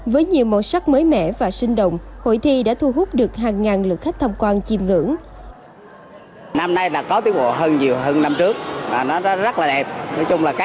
với nhiều màu sắc mới mẻ và sinh động hội thi đã thu hút được hàng ngàn lượt khách tham quan chìm ngưỡng